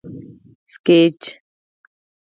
سکیچ